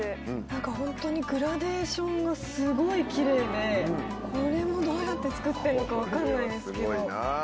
何か本当にグラデーションがすごいキレイでこれもどうやって作ってんのか分かんないですけど。